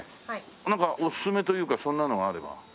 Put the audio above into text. なんかおすすめというかそんなのがあれば。